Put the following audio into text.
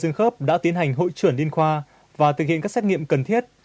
các bác sĩ khớp đã tiến hành hội trưởng liên khoa và thực hiện các xét nghiệm cần thiết